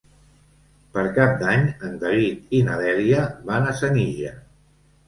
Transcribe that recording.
Per Cap d'Any en David i na Dèlia van a Senija.